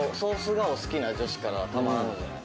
顔好きな女子からはたまらんのじゃない？